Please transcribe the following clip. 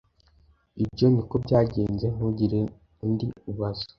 Ibyo ni ko byagenze ntugire undi ubaza